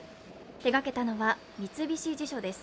手がけたのは三菱地所です。